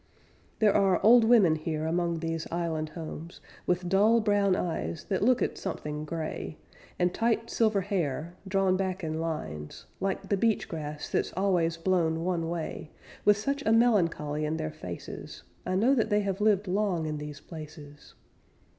There are old women here among these island homes, With dull brown eyes that look at something gray, And tight silver hair, drawn back in lines, Like the beach grass that's always blown one way; With such a melancholy in their faces I know that they have lived long in these places.